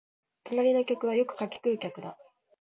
隣の客はよくかき食う客だ